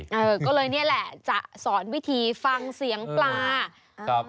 เออก็เลยนี่แหละจะสอนวิธีฟังเสียงปลาครับ